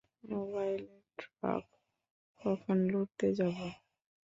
মোবাইলের ট্রাক কখন লুটতে যাব?